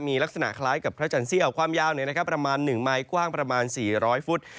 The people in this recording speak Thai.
มีลักษณะคล้ายกับพระจันทรีย์ของความยาวเนี่ยนะครับประมาณ๑ไมค์กว้างประมาณ๔๐๐ฟุต